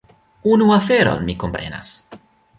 Unu aferon mi komprenas.